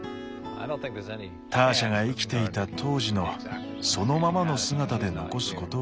ターシャが生きていた当時のそのままの姿で残すことはできない。